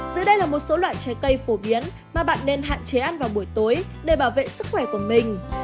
dưới đây là một số loại trái cây phổ biến mà bạn nên hạn chế ăn vào buổi tối để bảo vệ sức khỏe của mình